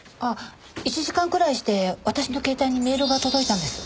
１時間くらいして私の携帯にメールが届いたんです。